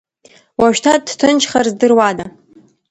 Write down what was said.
Уажәшьҭа дҭынчхар здыруада?